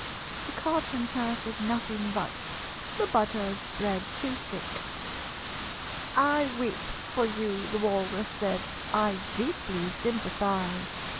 The Carpenter said nothing but "The butter's spread too thick!" "I weep for you," the Walrus said: "I deeply sympathize."